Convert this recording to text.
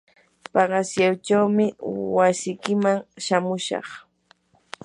paqasyaychawmi wasikiman shamushaq.